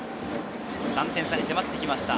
３点差に迫ってきました。